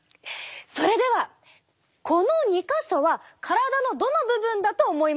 それではこの２か所は体のどの部分だと思いますか？